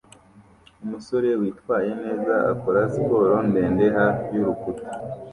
Umusore witwaye neza akora siporo ndende hafi y'urukuta